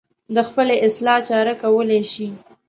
د خپلې اصلاح چاره کولی شي.